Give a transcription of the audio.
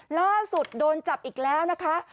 ล่าสุดโดนจับอีกแล้วนะคะ